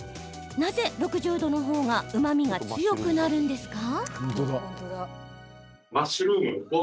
なぜ６０度の方がうまみが強くなるんですか？